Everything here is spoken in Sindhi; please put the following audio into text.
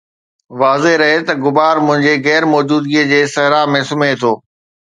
واضح رهي ته غبار منهنجي غير موجودگيءَ جي صحرا ۾ سمهي ٿو